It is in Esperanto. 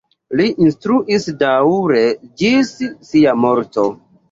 Li instruis daŭre ĝis sia morto.